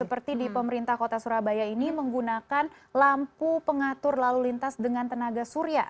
seperti di pemerintah kota surabaya ini menggunakan lampu pengatur lalu lintas dengan tenaga surya